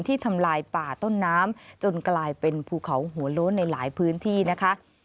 ทำลายป่าต้นน้ำจนกลายเป็นภูเขาหัวโล้นในหลายพื้นที่นะคะ